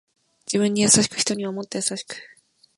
自分に優しく人にはもっと優しく